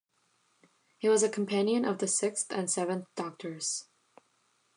He was a companion of the Sixth and Seventh Doctors.